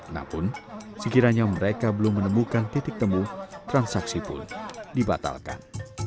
namun sekiranya mereka belum menemukan titik temu transaksi pun dibatalkan